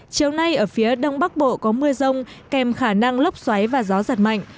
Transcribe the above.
chiều nay ở phía đông bắc bộ có mưa rông kèm khả năng lốc xoáy và gió giật mạnh